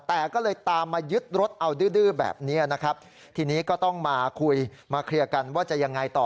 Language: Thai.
แต่ก็เลยตามมายึดรถเอาดื้อแบบนี้นะครับทีนี้ก็ต้องมาคุยมาเคลียร์กันว่าจะยังไงต่อ